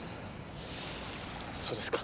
そうですか。